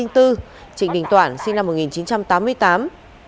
trịnh đình toản sinh năm một nghìn chín trăm tám mươi tám